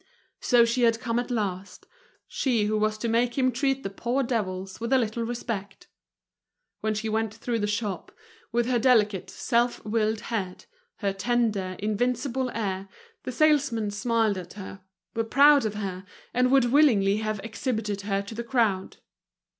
So she had come at last, she who was to make him treat the poor devils with a little respect! When she went through the shop, with her delicate, self willed head, her tender, invincible air, the salesmen smiled at her, were proud of her, and would willingly have exhibited her to the crowd.